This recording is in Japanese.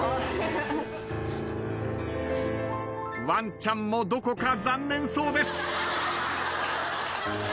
ワンチャンもどこか残念そうです。